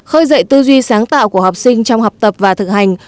khơi dậy tư duy sáng tạo của học sinh trong học tập và thực hành